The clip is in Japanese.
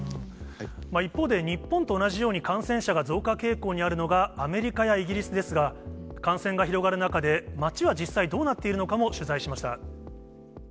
一方で、日本と同じように、感染者が増加傾向にあるのが、アメリカやイギリスですが、感染が広がる中で、街は実際、どうなっているのかも取材しました。